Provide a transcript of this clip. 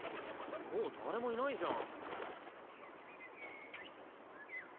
もう誰もいないじゃん